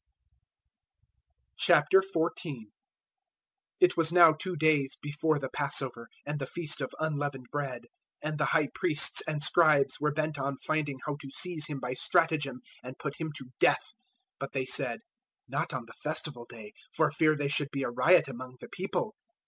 014:001 It was now two days before the Passover and the feast of Unleavened Bread, and the High Priests and Scribes were bent on finding how to seize Him by stratagem and put Him to death. 014:002 But they said, "Not on the Festival day, for fear there should be a riot among the people."